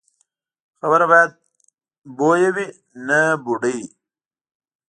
خبره باید بویه وي، نه بوډۍ.